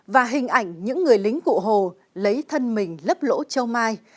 và hình ảnh những người lính cụ hồ lấy thân mình lấp lỗ châu mai